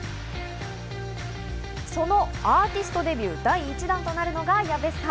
そのアーティストデビュー第１弾となるのが矢部さん。